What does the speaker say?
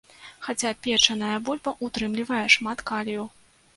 Хаця печаная бульба ўтрымлівае шмат калію.